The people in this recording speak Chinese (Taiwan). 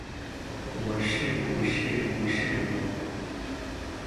我是不是不是我？